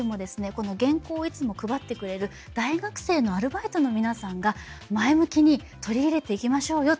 この原稿をいつも配ってくれる大学生のアルバイトの皆さんが前向きに取り入れていきましょうよと言ってくれたんです。